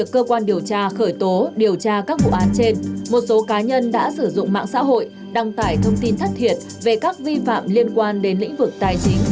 cơ quan điều tra khởi tố điều tra các vụ án trên một số cá nhân đã sử dụng mạng xã hội đăng tải thông tin thất thiệt về các vi phạm liên quan đến lĩnh vực tài chính